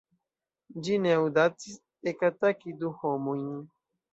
Ĝi ne aŭdacis ekataki du homojn.